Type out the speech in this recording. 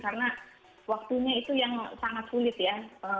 karena waktunya itu yang sangat sulit ya